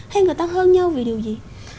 hay người ta hơn nhau vì điều gì